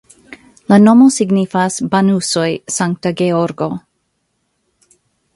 La nomo signifas Banusoj-Sankta Georgo.